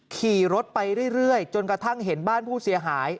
ขี่รถไปเรื่อยจนกระทั่งเห็นบ้านผู้เสียหาย